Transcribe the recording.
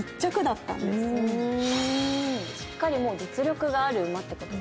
・しっかりもう実力がある馬ってことですね。